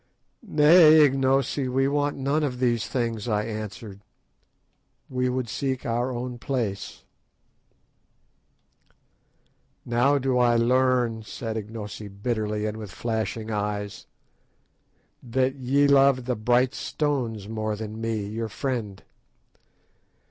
"Nay, Ignosi, we want none of these things," I answered; "we would seek our own place." "Now do I learn," said Ignosi bitterly, and with flashing eyes, "that ye love the bright stones more than me, your friend.